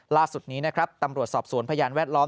ล่าสุดนี้นะครับตำรวจสอบสวนพยานแวดล้อม